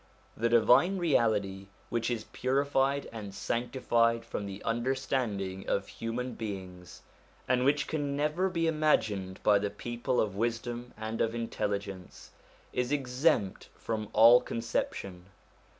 The Divine Reality which is purified and sanctified from the understanding of human beings and which can never be imagined by the people of wisdom and of intelligence, is exempt from all con ception.